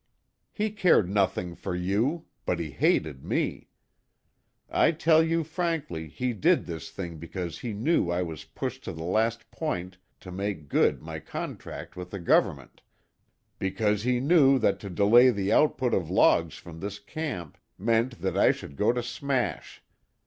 He cared nothing for you, but he hated me. I tell you frankly he did this thing because he knew I was pushed to the last point to make good my contract with the government, because he knew that to delay the output of logs from this camp meant that I should go to smash.